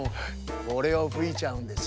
これをふいちゃうんです。